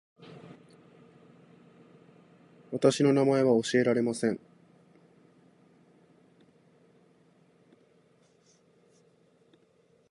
私の名前は教えられません